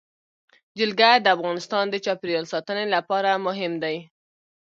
جلګه د افغانستان د چاپیریال ساتنې لپاره مهم دي.